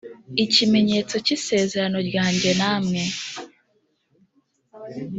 ikimenyetso cy isezerano ryanjye namwe